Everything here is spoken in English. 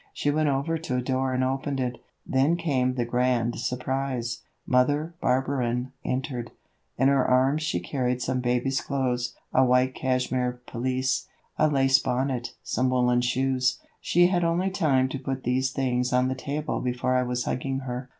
She went over to a door and opened it. Then came the grand surprise! Mother Barberin entered. In her arms she carried some baby's clothes, a white cashmere pelisse, a lace bonnet, some woolen shoes. She had only time to put these things on the table before I was hugging her.